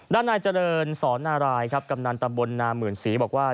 ด้านนายเจริญศรนารัยกำหนังตำบลนามหมื่นศรีบอกว่า